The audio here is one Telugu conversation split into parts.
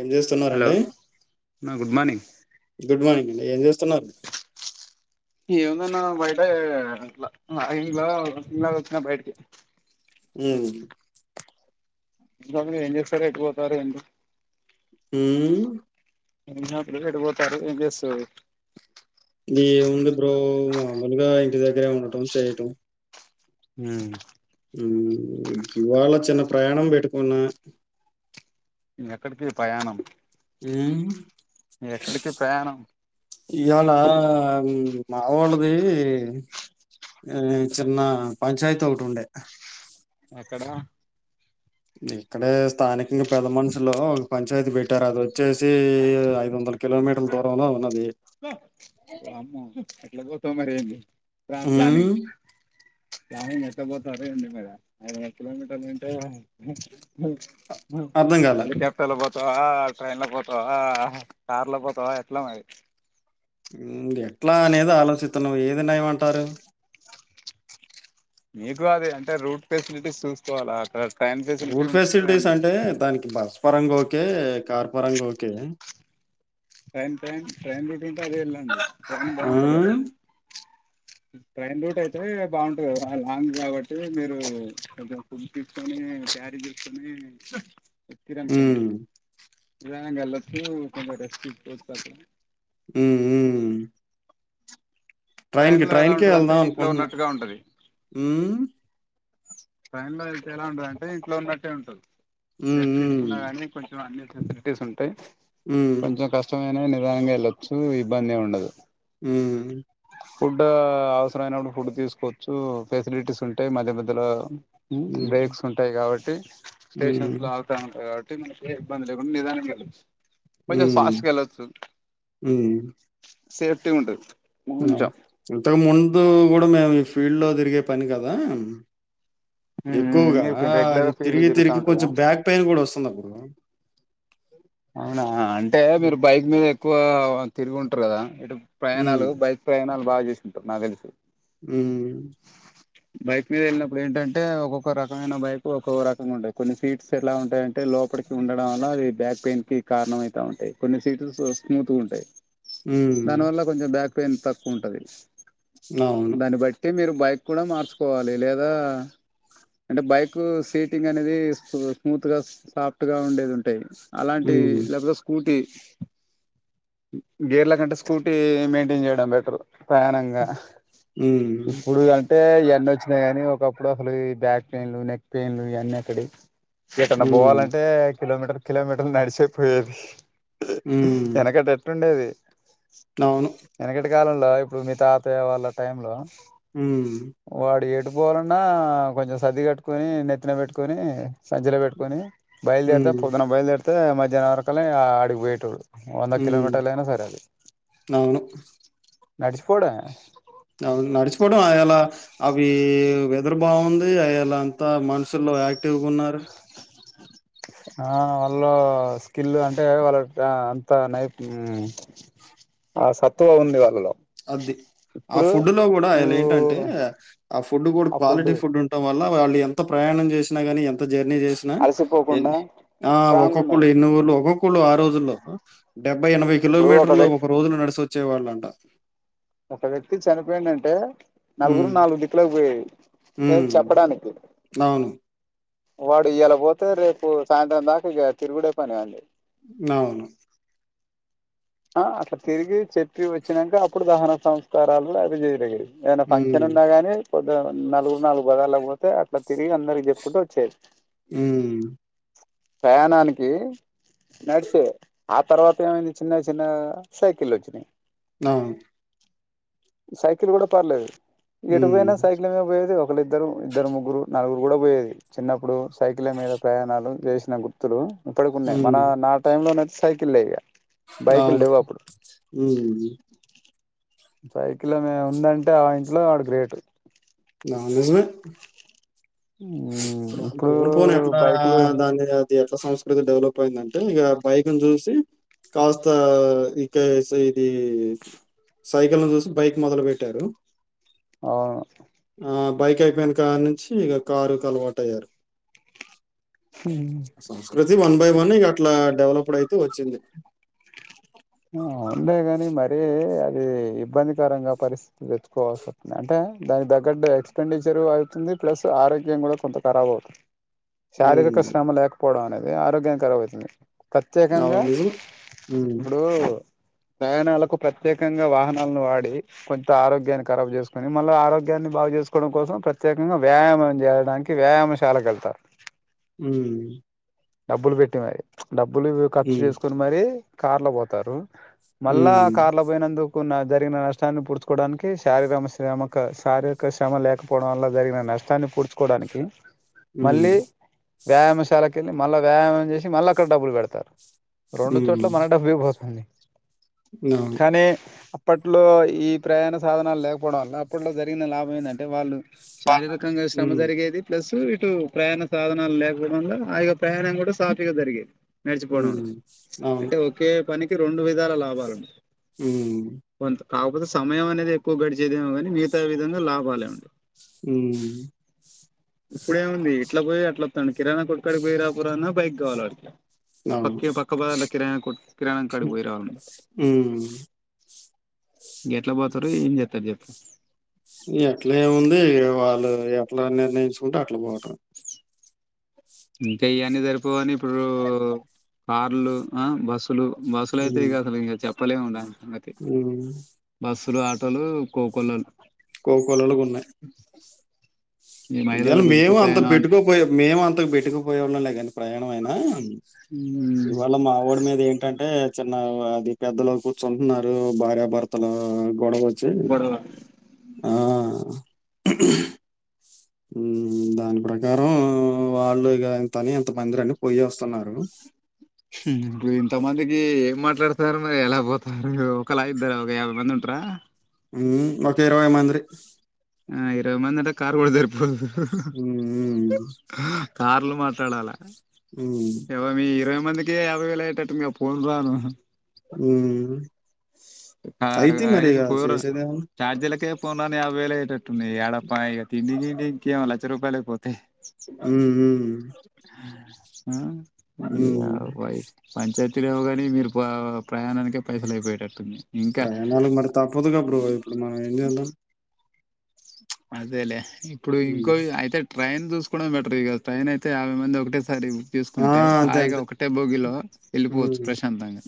ఏం హలో చేస్తున్నారండి నా గుడ్ మార్నింగ్ గుడ్ మార్నింగ్ అం ఏం జేస్తున్నారు ఏముందన్న బయటయే అట్లా మా ఇంట్లో [inaudible] వచ్చినా బయటకి ఊ ఇంకా [inaudible] మీరు ఏం చేస్తారు ఎటుపోతారు ఏంటి ఊమ్ [inaudible] ఎటు బోతారు ఏం చేస్తారు ఏం ఉంది బ్రో మామూలుగా ఇంటి దగ్గరే ఉండటం చేయటం ఊ ఊ ఇవాళ చిన్న ప్రయాణం పెట్టుకున్నా ఎక్కడికి పయాణం ఉమ్ ఎక్కడికి ప్రయాణం ఇయ్యాళ మా వోళ్ళది ఊ చిన్న పంచాయితీ ఒకటి ఉండే క్కడ ఇక్కడే స్థానికంగా పెద్ద మనుషులు ఒక పంచాయతీ పెట్టారు అది వచ్చే సి ఐదు వందల కిలోమీటర్ల దూరంలో ఉన్నది. వామ్మో ఎట్ల పోతవ్ మరి ఏంది వాట్ హ్మ్ ప్లానింగ్ ప్లానింగ్ ఎట్ల పోతారో ఏంది మరి ఐదు వందల కిలో మీటర్లంటే అర్థం కాలే. హెలికాప్టర్ల పోత వా ట్రైన్లా పోతావా కార్లా పోతావా ఎట్ల మరి మ్ ఎట్లా అనేది ఆలోచిస్తున్నా ఏది నయ్యమంటారు? మీకు అది అంటే రూట్ ఫెసిలిటీస్ సూసుకోవాలా అక్క రూట్ ఫెసిలిటీస్ అంటే దానికి బస్ పరంగా ఓకే కార్ పరంగా okay train time train route ఉంటే అదే ఎళ్ళండి ప్రయాణం ఆ! బాగుంటది కదా ట్రైన్ రూట్ అయితే బాగుంటుంది కదా లాంగ్ కాబట్టి మీరు కొంచం ఫుడ్ తీసుకొని మీరు క్యారీ చేసుకొని వచ్చిరు అనుకోండి హ్మ్. నిదానంగా ఎళ్లొచ్చు కొంచెం రెస్ట్ తీసుకోవచ్చు మ్మ్ హ్మ్ఁ ట్రైన్ కి లో ఎలా ట్రైన్ కే ఉంటదంటే వెళ్దాం ఇంట్లో అనుకుంటున్నా ఉన్నట్టుగా మ్మ్ఁ టైన్ లో అయితే ఎలా ఉంటదంటే ఇంట్లో ఉన్నట్టే ఉంటది. బెడ్స్ తీసుకున్న హ్మ్. కానీ కొంచెం అన్ని ఫెసిలిటీస్ ఉంటయి, హ్మ్. కొంచెం కష్టమైనా ఎ లైన ఎళ్ళొచ్చు ఇబ్బంది ఏం ఉండదు హ్మ్ ఫుడ్డా అవసరమైనప్పుడు ఫుడ్ తీసుకోవచ్చు, ఫెసిలిటీస్ ఉంటయి, మధ్య మధ్యలో మ్ హ్మ్. బ్రేక్స్ ఉంటయి కాబట్టి, స్టేషన్స్ లో హ్మ్. అగుతా ఉంటయి కాబట్టి అంటే మనకే ఇబ్బంది లేకుండా నిదానంగా ఎళ్లొచ్చు కొంచెం హ్మ్. [unintelligible] ఎళ్ళొచ్చు సేఫ్టీ ఉంటది. ఇంగ కొంచెం ఇంతకు ముందు కూడ మేము ఈ ఫీల్డ్ లో తిరిగే పని కదా! ఎక్కువగా మీరు అది రెగ్యులర్ ఫీల్డ్ తిరిగి తిరుగుతా తిరిగి ఉంటారా కొంచెం బ్యాక్ పెయిన్ కూడ వస్తుంది అప్పుడు అవునా అంటే మీరు హ్మ్. బైక్ మీద ఎక్కువా తిరిగి ఉంటరు కదా ఇటు హ్మ్. పయాణాలు బైక్ పయాణాలు బాగా చేసింటరు నాకు తెలిసి మ్మ్ఁ బైక్ మీద ఎళ్ళినప్పుడు ఏంటంటే ఒక్కొక్క రకమైన బైక్ ఒక్కొక్క రకంగా ఉంటది, కొన్ని సీట్స్ ఎలా ఉంటాయంటే లోపలికి ఉండడం వల్ల అవి బ్యాక్ పెయిన్ కీ కారణం అయితా ఉంటయి, కొన్ని సీట్స్ సో స్మూత్గా ఉంటయి. హ్మ్. దాని వల్ల కొంచం బ్యాక్ పెయిన్ తక్కువ ఉంటది. అవును. దాన్ని బట్టి మీరు బైక్ కూడ మార్చుకోవాలి లేదా అంటే బైక్ సీటింగ్ అనేది స్మూత్ గా సాఫ్ట్ గా ఉండేది ఉంటయి అలాం టి హ్మ్. లేపోతే స్కూటీ గేర్ల కంటే స్కూటీ మెయింటైన్ చేయడం బెటర్ పయానంగా హ్మ్ఁ అంటే ఇయన్నీ వచ్చినై గాని ఒకప్పుడు అసలు ఈ బ్యాక్ పెయిన్లు, నెక్ పెయిన్లు ఇయన్నీ ఎక్కడివి? ఎటన్నా హ్మ్. పోవాలంటే కిలోమీటర్ కిలోమీటర్లు నడిసే పోయేది హ్మ్. వెనకట ఎట్టుండేది అవును కాలంలో ఇప్పుడు మీ తాతయ్య వాళ్ళ టైం లో హ్మ్ఁ పోవలన్నా కొంచెం సది కట్టుకొని నెత్తిన పెట్టుకొని సంచలో పెట్టుకొని బయలుదేరితే హ్మ్. పొద్దున్నన బయలుదేరితే మధ్యాహ్న వరకల్ల ఇగ అడిగి పోయేటోడు వంద హ్మ్. కిలోమీటర్ల అయినా సరే అది అవును. నడిచిపోవుడే అవును. నడిచిపోవడం అయాల అవి వెదరు బాగుంది అయలా అంతా మనుషుల్లో యాక్టివ్గా ఉన్నారు ఆ వాళ్ళు స్కిల్ అంటే వాళ్ళ ఆ అంత నై ఉమ్మ్ ఆ సత్తువ ఉంది వాళ్లలో అది ఆ ఫుడులో కూడా ఆయన నువ్వు ఏంటంటే ఆ ఫుడ్ కూడా ఆ క్వాలిటీ ఫుడ్డు ఫుడ్ ఉంటాం వ ల్ల వాళ్ళు ఎంత ప్రయాణం చేసినా గానీ ఎంత జర్నీ చేసిన అలసిపోకుండా ఆ స్ట్రాంగ్ ఒక్కొక్కళ్ళు ఉన్నారు ఎన్ని ఊళ్ళు ఒక్కొక్కళ్ళు ఆరోజుల్లో డెబ్బై ఎనభై ఇప్పుడు కిలోమీటర్లు వ్యక్తి ఒక రోజులో నడిసోచ్చేవాళ్ళంట ఒక వ్యక్తి చనిపోయిండు అంటే నలుగురు హ్మ్. నాలుగు దిక్కులకు పోయి ఏ హ్మ్. చెప్పడానికి అవును. వాడు ఇయల పోతే రేపు సాయంత్రం దాకా ఇక తిరుగుడే పని వాంది అవును ఆ అట్లా తిరిగి చెప్పి వచ్చినాంక అప్పుడు దహన సంస్కారాలు అవి జరిగేయి ఏదనా ఫంక్షన్ హ్మ్. ఉన్నా గాని పొద్దున నలుగురు నాలుగు పదాలకు పోతే అట్లా తిరిగి అందరికి చెప్పుకుంటూ వచ్చేరు ఉమ్మ్ ప్రయాణానికి నడిచే ఆ తర్వాత ఏమైంది చిన్నగా చిన్నగా సైకిల్ వచ్చినయ్ అవును సైకిల్ కూడా పర్లేదు ఎటు హ్మ్. పోయినా సైకిల్లమిదే పోయేది ఒకళ్ళ ఇద్దరు ఇద్దరు ముగ్గురు నలుగురు కూడా పోయేది చిన్నప్పుడు సైకిల్ల మీద ప్రయాణాలు చేసిన గుర్తులు ఇప్పటికున్నాయి మన హ్మ్. నా టైంలోనయితే సైకిల్లే ఇగ బైకులు అవును లేవు అప్పుడు ఉమ్మ్ సైకిల్ ఏమన్నా ఉందంటే ఆ ఇంట్లో ఆడు గ్రేట్ ఆ నిజమే ఇప్పుడు పోను పోను ఎట్లా బైకులు దాన్ని అది ఎట్లా సంస్క కృతి డెవలప్ అయిందంటే ఇక బైకను చూసి కాస్త ఇకా ఇది సైకిల్‌ను చూసి బైక్ మొదలు పెట్టారు అవును బైక్ అయిపోయిన కాడినుంచి ఇగ కారుకు అలవాటు అయ్యారు ఉమ్మ్ ప్రతి వన్ బై వన్ ఇక అట్లా డెవలప్డ్ అయితు వచ్చింది ఉమ్మ్ అంతే గాని మరి అది ఇబ్బందికరంగా పరిస్థితులు తెచ్చుకోవాల్సి వస్తుంది అంటే దానికి తగ్గట్టు ఎక్స్పెండిచర్ అయితుంది ప్లస్ ఆరోగ్యం కూడా కొంత ఖరాబ్ అవుతుం శారీరక హ్మ్. శ్రమ లేకపోవడం అనేది ఆరోగ్యం కరబ్ అయితుంది ప్రత్యేకంగా అవును నిజమే. హ్మ్. స ప్రయాణాలకు ప్రత్యేకంగా వాహనాలను వాడి కొంచంత ఆరోగ్యాన్ని ఖరాబ్ చేసుకొని మళ్ళీ ఆరోగ్యాన్ని బాగా చేసుకోవడం కోసం ప్రత్యేకంగా వ్యాయామం చేయడానికి వ్యాయామశాలకు వెళ్తా హ్మ్. డబ్బులు పెట్టి మరి డబ్బులు ఖర్చు హ్మ్. చేసుకొని మరి కార్లో పోతారు మళ్ల్ళా హ్మ్. కార్ల బోయినందు మొన్న జరిగిన నష్టాన్ని పూడ్చుకోడానికి శారీమ శ్రమక శారీరక శ్రమ లేకపోవడం వల్ల జరిగిన న నష్టాన్ని పూడ్చుకోడానికి ఉమ్ వ్యాయామశాలకి వెళ్ళి మళ్ళా వ్యాయామం చేసి మళ్ల అక్కడ డబ్బులు బెడతారు రెండు చోట్ల మనడబ్బె పోతంది నవును అప్పట్లో ఈ ప్రయాణ సాధనాలు లేకపోవడం వల్ల అప్పట్లో జరిగిన లాభం ఏందంటే వాళ్ళు శారీరకంగా శ్రమ హ్మ్. జరిగేది ప్లస్ ఇటు ప్రయాణ సాధనాలు లేకపోవడం వల్ల ఆ యొక్క ప్రయాణం కూడా సాఫీగా జరిగేది నడిచిపోవడం వల్ల హ్మ్. అవును. అంటే ఒకే పని రెండు విధాల లాభాలున్నా ఉమ్ కాకపోతే సమయం అనేది ఎక్కువ గడిచేదేమో కానీ మిగతా విధంగా లాబాలేఉండవ్ ఉమ్ ఇప్పుడేముంది ఇట్లా పోయి అట్లా వత్తాండు కిరాణా కొట్టు కాడికి పోయి రాపోర అన్నా బైక్ కావాలి వాడికి అవును. పక్కే పక్క బజర్ల కిరాణం కిరాణం కాడి పోయి రాల హ్మ్. గేట్లా పోతరు ఏం చెత్తరు జెప్పు ఎట్లాముంది ఇగ వాళ్ళు ఎట్లా నిర్ణయించుకుంటే అట్లా పోటమే ఇంకా ఇయన్నీ జరిపోవని ఇప్పుడు కార్లు ఆ బస్సు అసలు బస్సులు అయితే ఇగ అసలు ఇంగ చెప్పలేం ఉండాలి ఉమ్ పలు ఆటోలు కోకన్నలు కోకోలాలుగున్నాయి ఈ ఇవాళ మహిళలకు ఉచిత మేము అంత ప్రయాణం అంటే పెట్టుకుపోయ మేము అంత పెట్టుకుపోవాళ్ళం లే కానీ ప్రయాణం అయినా ఉమ్, ఇవాళ మా వోడి మీద ఏంటంటే చిన్న అది పెద్దలు కూర్చుంటున్నారు భార్యాభర్తలు గోడవొచ్చి గొడవ ఆ దాని ప్రకారం వాళ్ళు ఇగ ఇంతని అంత మందిర అన్ని పోయే వస్తున్నారు నువ్ ఇంత మంది ఇ ఏం మాట్లాడుతారు మరి ఎలా పోతారు ఒకలా ఇద్దరా ఒక యాభై మంది ఉంటర ఒక ఇరవై మందిరి ఆ ఇరవై మంది అంటే కార్ కూడా జర్పోదు హ్మ్. హ్మ్. కార్లు మాట్లాడాలా హ్మ్. ఎవ మీ ఇరవై మందికే యాభై వేలాయ్యేటట్టుంది గ పోను రాను ఉమ్ ఆరు ఐదు కూరలు చేసేదేముంది. చార్జీలకే పోన్ రాను అని యాభై వేలేయ్యటట్టున్నాయి ఏడప్ప ఇగ తిండి గిండి ఇంకేమ లచ్చ రూపాయలయిపోతయి ఉమ్ యాభై పంచలు తెరవుగాని మీరు ప ప్రయాణాకే పైసలు అయిపోయేటట్టుంది ఇంకా ప్రయాణాలుగు మరి తప్పదు గ బ్రో ఇప్పుడు మనం ఏం జెద్దం అదేలే ఇప్పుడు ఇంకో హ్మ్. అయితే ట్రైన్ చూసుకోవడం బెటర్ ఇగ ట్రైన్ అయితే యాభై మంది ఒకటే స ఒకసారి బుక్ ఆ! తీసుకుంటే అంతే. హాయిగా అంతే. ఒకటే బోగిలో వెళ్ళిపోవచ్చు హ్మ్. ప్రశాంతంగా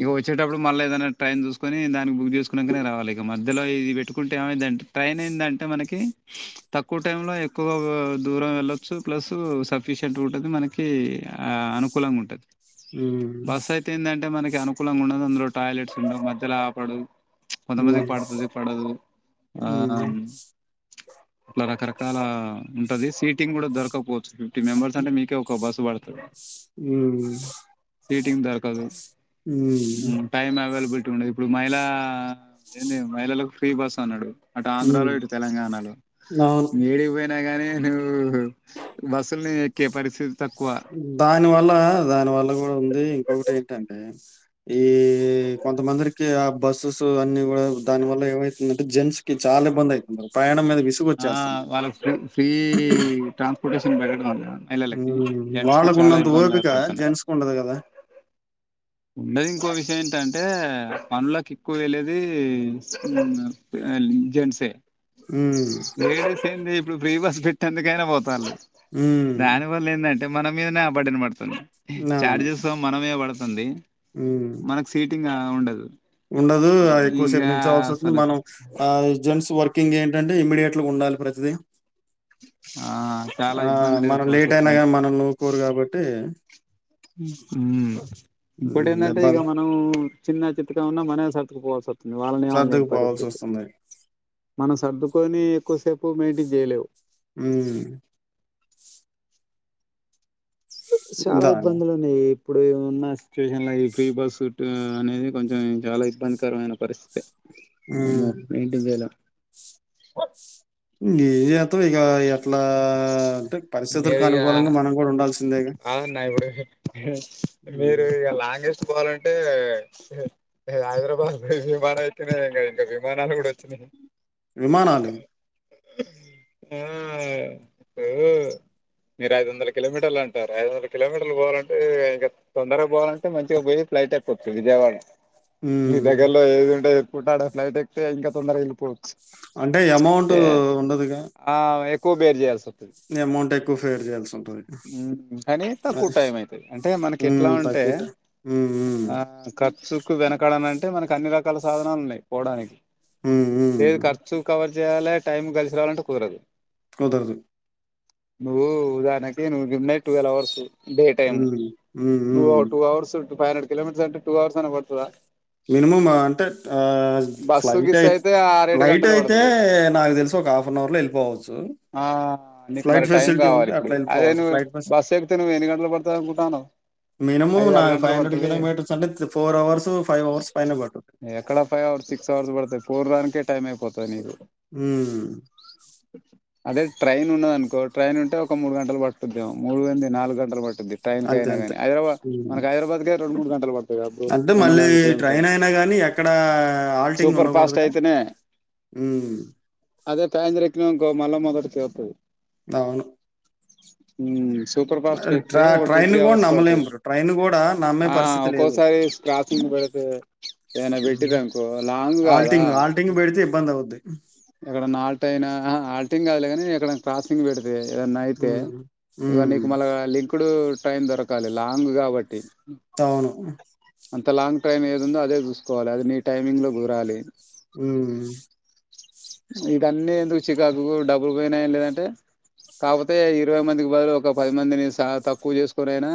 ఇగ వచ్చేటప్పుడు మళ్ళ ఏదన్న ట్రైను చూసుకొని దానికి బుక్ చేసుకున్నాకనే రావాలి ఇక మధ్యలో లోది పెట్టుకుంటే ఏమైదంటే ట్రైన్ ఏందంటే మనకి తక్కువ టైమ్ లో ఎక్కువగా దూరం వెళ్ళచ్చు ప్లస్ సఫీ షట్ ఉంటది మనకి ఆ అనుకూలంగా ఉంటది హ్మ్. బస్ అయితే ఏంటంటే మనకి అనుకూలంగా ఉండదు అందులో టాయిలెట్స్ ఉండవు మధ్యలో ఆపడు కొంతమందికి పడుతది పడదు మ్ అట్లా రకరకాల ఉంటది సీటింగ్ కూడా దొరకపోవచ్చు ఫిఫ్టీ మెంబర్స్ అంటే మీకే ఒక బస్ బడుతది మ్ సిటింగ్ దోరకదు టైమ్ అవైలబుల్ ల్టీ ఉండదు ఇప్పుడు మహిళ ఏంది మహిళలకు ఫ్రీ బస్ అన్నాడు అటు ఆంధ్రాలో హ్మ్. ఇటు తెలంగాణలో అవును. ఎడికి పోయి గాని నువ్వు బస్సుల్నే ఎక్కే పరిస్థి దాని వల్ల దాని వల్ల కూడా ఉంది ఇంకొకటి ఏంటంటే ఈ కొంతమందిరికి ఆ బస్సుస్ అన్నిీ కూడా దాని వల్ల ఏమైతుందంటే జెంన్స్ కి చాలా ఇబ్బంది అయితుంది ర ప్రయాణం మీద ఆ విసుగొచ్చేస్తుంది. వాళ్ళకు ఫ్రీ ఫ్రీ ట్రాన్స్పోర్టేషన్ పెట్టడం వళ్ళ మహిళలకి హ్మ్. జెంన్స్ కి చాలా వాళ్ళకున్నంత ఇబ్బందులు ఓపిక ఏర్పడుతున్నాయి జెంట్స్‌కుండదు గదా! ఉండదు ఇంకో విషయం ఏంటంటే పనులకి ఎక్కువ వెేళ్ళేది జెంట్సే హ్మ్. లేడీస్ ఏంది ఇప్పుడు ప్రీ బస్ పెట్టేందుకైనా పోతాళ్ళు హ్మ్. దాని వల్ల ఏందంటే మన మీదనే అ బడ్డన్ పడుతుంది అవును. చార్జెస్ మనమీద పడ్ తుంది హ్మ్. మనకు సీటింగ్ అ ఉండదు ఉండదు ఇగ ఎక్కువసేపు నించోవల్సి వస్తుంది అసలు మనం ఆ జెంట్స్ వర్క్ కుకింగ్ ఏంటంటే ఇమీడియట్ గా ఉండాలి ప్రతిదీ ఆ చాలా ఆ ఇబ్బందులు మనం ఎదుర్కోవాల్సి లేట్ అయినా వస్తుంది. కానీ మనల్ని ఉకోరు కాబట్టి మ్ ఇంకోటి హ్మ్. ఏందంటే ఇగ ఇబ్బంది మనం చిన్న చితికా ఉన్నా మనమే సర్దుకు పోవాల్సి వస్తుంది వాళ్ళని ఏమన లేని పరిస్థితి సర్దుకుపోవాల్సొస్తుంది. మనం సర్దు కొని ఎక్కువసేపు మెంటి చేయలేవు మ్ చాలా దాని ఇబ్బందులు ఉన్నాయి ఇప్పుడు ఉన్న సిచ్యువేషన్లో ఈ ఫ్రీ బస్ట్ అనేది కొంచెం చాలా ఇబ్బందికరమైన పరిస్థితి వామ్మో హ్మ్. మైంటైన్ చేయలేము ఎం త్తం ఇగ ఎట్లా అంటే పరిస్థితులకు మీరు ఇగ అనుకూలంగా మనం కూడా ఉండాల్సిందేగా కాదన్న ఇప్పుడు హ్మ్. మీరు ఇగ లాంగేస్ట్ కోవాలంటే హైదరాబాద్ విమానం అయితే ఇంకా విమానాలు కూడా వచ్చినాయి విమానాలు ఆ ఇప్పుడు మీరు ఐదు వందల కిలోమీటర్లు అంటారు ఐదు వందల కిలోమీటర్లు పోవాలంటే ఇగ తొందరగా పోవాలంటే మంచిగా పోయి ఫ్లైట్ ట్టేక్కోచ్చు వియజవడ మీ హ్మ్. దగ్గర్లో ఏది ఉంటది ఎర్పోర్ట్ ఆడ ఫ్లైట్ ఎక్తే ఇంకా తొందరగ ఎల్పోచ్చు అంటే అమౌంట్ ఉండదుగా అ ఎక్కువ బేరు చేయాల్స్ తది అమౌంట్ ఎక్కువ ఫేర్ చేయాల్సి ఉంటది. మ్ కని తక్కువ టైం అయితది అంటే మనకి ఎట్లా హ్మ్. ఉంటే తక్కువ ట హ్మ్. హ్మ్. ఆ కర్సుకు వెనకడను అంటే మనకి అన్ని రకాల కల సాధనాలు ఉన్నాయి పోవడానికి హ్మ్. హ్మ్. లేదు ఖర్చు కవర్ చేయాలే టైం కలిసి రావాలంటే కుదరదు కుదరుదు నువ్వు ఉదాహరణకి [unintelligible] డే టైమ్ హ్మ్. హ్మ్. నువు హ్మ్. Two hours five hundred kilometres అంటే టూ అవర్స్ అన పడతదా మినిమమ్ అంటే ఆ బస్సు ఫ్లైట్ గిస్సు [unintelligible] అయితే ఆరేడు ఫ్లైట్ గంటలు అయితే పడుతది నాకు తెలిసి ఒక హాఫ్ అన్ అవర్ లో వెళ్ళిపోవచ్చు ఆ నీకు మరి టైం కావాలి ఇప్పుడు అదే ఎళ్ళిపోవచ్చు. నువ్వు ఫ్లైట్ ఫెసి బస్సు ఎక్కితే నువ్వు ఎన్ని గంటలు పడుతాది అనుకుంటానవ్ మినిమం ఐదు నా ఆరు ఫైవ్ గంటలు హండ్రెడ్ పడుతది కిలోమీటర్స్ అంటే ఫోర్ అవర్స్ ఫైవ్ అవర్స్ పైన పడుటుంది ఎక్కడ ఫైవ్ సిక్స్ అవర్స్ బడుతయి ఫోర్ దాకే టైమ్ అయిపోతుంది నీకు ఉ అదే ట్రైన్ ఉన్నదనుకో ట్రైన్ ఉంటే ఒక మూడు గంటలు పట్ద్దాము మూడు ఎంది నాలుగు గంటలు పదే అంతే అంతే. [unintelligible] హ్మ్. హైదరాబాద్న హైదరాబాద్కే రెండుూడుంటలు పడుందియి అప్పుడు రెండు వందల యాభై కిలోమీటర్లు కానీ అక్కడ ఆల్టింగ్ సూపర్ ఫాస్ట్ ఉండకూడదుగ అయితేనే అదే సాయంత్రం ఎక్కినవు అనుకో మళ్ల మొదట కే వతది అవును హు సూపర్ ఫాస్ట్కి ఎక్తే ట్రా ఒక టూ ట్రైన్ త్రీ కూడా అవర్స్ నమ్మలేం పడుతాయి బ్రో ట్రైన్ కూడా నమ్మే ఆ పరిస్థితి లేదు ఒక్కోసారి [unintelligible] ఏనా ఉమ్. పెట్టిరనుకో లాంగ్ కాదా ఆల్టింగ్ ఆల్టింగ్ పెడితే ఇబ్బంది అవుద్ది ఎక్కడ నాల్ట్ అయినా ఆల్టింగ్ కాదులేగాని ఎక్కడ క్రాసింగ్ [unintelligible] అ ఏదన్నా అయితే ఉమ్. ఇక ఉమ్. నీకు మళ్ళ లింకుడు టైం దొరకాలి లాంగ్ కాబట్టి తవును అంత లాంగ్ ట్రైన్ ఏది ఉందో అదే చూసుకోవాలి అది నీ టైమింగ్ లో కుదరాలి హు ఇదన్నీ ఎందుకు చికాకుకు డబ్బులు పోయినాయ లేదంటే కాకపోతే ఇరవై మందికి బదులు ఒక పది మందిని తక్కువ చేసుకొనైనా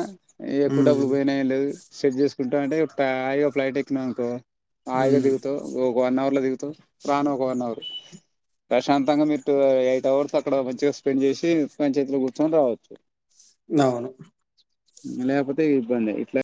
ఎక్కువ ఉమ్. డబ్బులు పోయినాయ లేద సెట్ చేసుకుంటాం అంటే [unintelligible] ఫ్లైట్ ఎక్కినానుకో హాయ్ గా ఉమ్. దిగుతవ్ ఒక వన్ అవర్ దిగుతవ్ రాను ఒక వన్ అవర్ ప్రశాంతంగా మీరు టూ ఎయిట్ అవర్స్ అక్కడ మంచిగా స్పెండ్ చేసి పంచాయతీలో కూర్చొని రావచ్చు [unintelligible] లేకపోతే పఇబ్బంది ఇట్లా